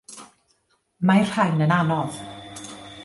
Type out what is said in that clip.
Mae'r rhain yn anodd.